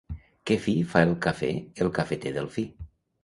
Que fi fa el cafè el cafeter Delfí